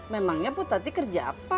memangnya potati kerja apa